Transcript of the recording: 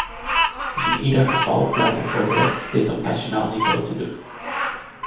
In ieder geval pleit ik voor het recht dit op nationaal niveau te doen.